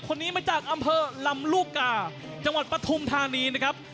คนนี้มาจากอำเภอลำลูกกาจังหวัดปฐุมธานีนะครับ